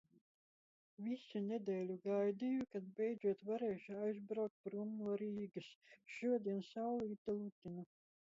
Visu nedēļu gaidīju, kad beidzot varēšu aizbraukt prom no Rīgas. Šodien saulīte lutina.